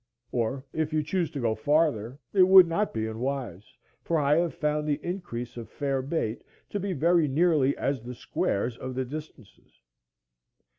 Or, if you choose to go farther, it will not be unwise, for I have found the increase of fair bait to be very nearly as the squares of the distances.